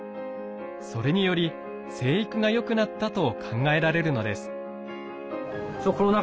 それにより生育が良くなったと考えられるのです。